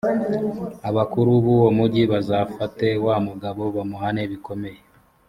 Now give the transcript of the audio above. abakuru b’uwo mugi bazafate wa mugabo, bamuhane bikomeye.